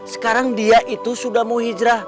sekarang dia itu sudah mau hijrah